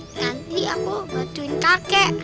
nanti aku bantuin kakek